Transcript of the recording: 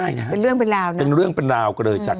ที่มันเป็นนิยธีครับ